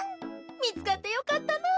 みつかってよかったなピーヨン。